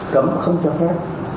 cấm không cho phép